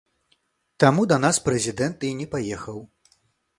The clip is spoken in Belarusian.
Таму да нас прэзідэнт і не паехаў!